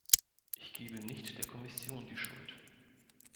Ich gebe nicht der Kommission die Schuld.